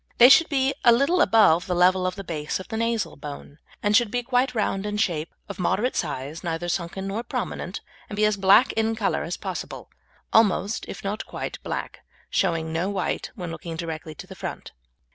They should be a little above the level of the base of the nasal bone, and should be quite round in shape, of moderate size, neither sunken nor prominent, and be as black in colour as possible almost, if not quite, black, showing no white when looking directly to the front.